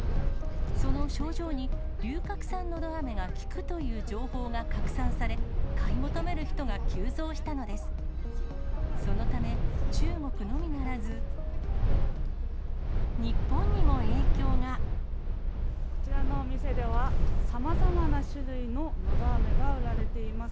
その症状に、龍角散のど飴が効くという情報が拡散され、買い求める人が急増したのです。